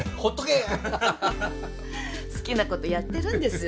好きなことやってるんです。